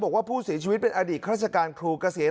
บอกว่าผู้เสียชีวิตเป็นอดีตราชการครูเกษียณ